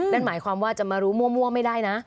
นั่นหมายความว่าจะมารู้มั่วไม่ได้นะ